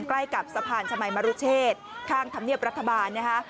ใกล้กับสะพานชมัยมรุเชษข้างธรรมเนียบรัฐบาลนะคะ